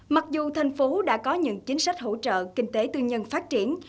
mặc dù thành phố đã có những chính sách hỗ trợ kinh tế tư nhân phát triển